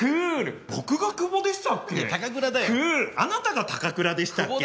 あなたが高倉でしたっけ？